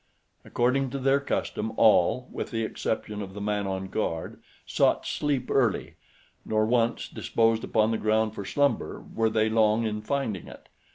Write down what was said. According to their custom all, with the exception of the man on guard, sought sleep early, nor, once disposed upon the ground for slumber, were they long in finding it.